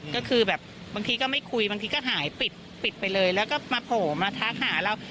ก็คือแบบบางทีก็ไม่คุยบางทีก็หายปิดไปเลยแล้วก็มาโผล่มาทักหาเรา